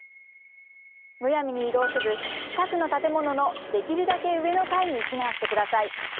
むやみに移動せず、近くの建物のできるだけ上の階に避難してください。